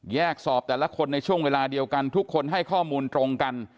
สอบแต่ละคนในช่วงเวลาเดียวกันทุกคนให้ข้อมูลตรงกัน